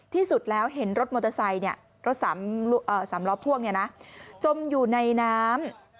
ที่สุดแล้วเห็นรถมอเตอร์ไซค์รถสามล้อพ่วงจมอยู่ในน้ำ